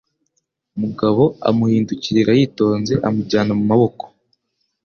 Mugabo amuhindukirira yitonze amujyana mu maboko.